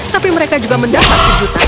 tapi mereka juga mendapat kejutan